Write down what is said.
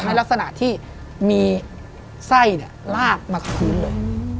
ในลักษณะที่มีไส้ลากมาพื้นเลย